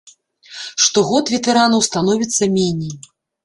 Штогод ветэранаў становіцца меней.